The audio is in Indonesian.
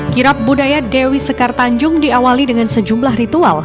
kirap budaya dewi sekar tanjung diawali dengan sejumlah ritual